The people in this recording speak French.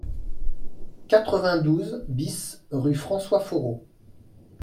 quatre-vingt-douze BIS rue François Foreau